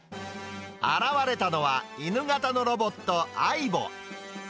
現れたのは、犬型のロボット、ＡＩＢＯ。